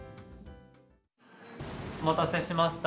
お待たせしました。